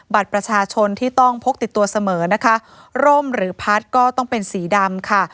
บัตรประชาชนที่ต้องพกติดตัวเสมอนะคะร่มหรือพัดก็ต้องเป็นสีดำค่ะ